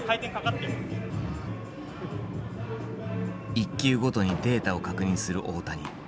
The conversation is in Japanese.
１球ごとにデータを確認する大谷。